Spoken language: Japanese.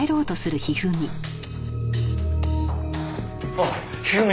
あっ一二三！